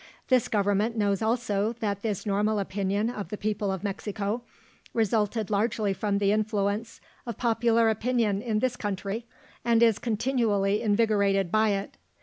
This Government knows also that this normal opinion of the people of Mexico resulted largely from the influence of popular opinion in this country, and is continually invigorated by it.